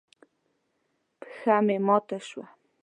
پښه مې ماته شوه.